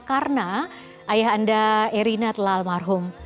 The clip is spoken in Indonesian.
karena ayah anda erina telah almarhum